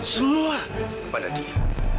semua kepada dia